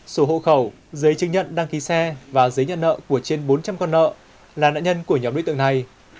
sổ hộ khẩu giấy chứng nhận đăng ký xe và giấy nhận nợ của trên bốn trăm linh con nợ là nạn nhân của nhóm đối tượng này